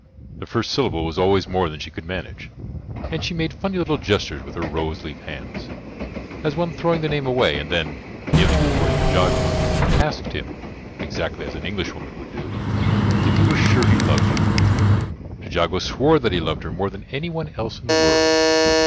The first syllable was always more than she could manage, and she made funny little gestures with her rose leaf hands, as one throwing the name away, and then, kneeling before Trejago, asked him, exactly as an Englishwoman would do, if he were sure he loved her. Trejago swore that he loved her more than any one else in the world.